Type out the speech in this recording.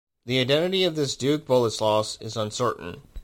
The identity of this Duke Boleslaus is uncertain.